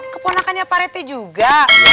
keponakannya pak rt juga